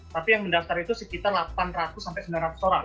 tapi yang mendaftar itu sekitar delapan ratus sampai sembilan ratus orang